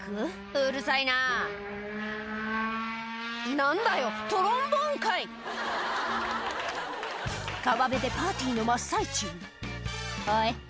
うるさいな何だよトロンボーンかい川辺でパーティーの真っ最中「おい」